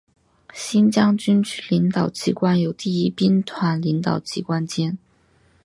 新疆军区领导机关由第一兵团领导机关兼。